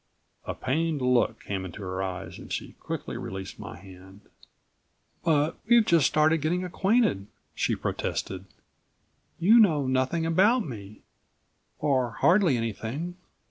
A pained look came into her eyes and she quickly released my hand. "But we've just started to get acquainted," she protested. "You know nothing about me or hardly anything.